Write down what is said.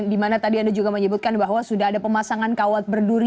dimana tadi anda juga menyebutkan bahwa sudah ada pemasangan kawat berduri